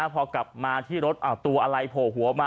พอกลับมาที่รถตัวอะไรโผล่หัวมา